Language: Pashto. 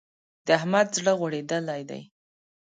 د احمد زړه غوړېدل دی.